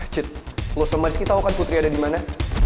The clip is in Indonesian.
cit lo sama rizky tau kan putri ada dimana